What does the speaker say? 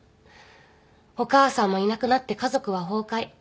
お母さんもいなくなって家族は崩壊。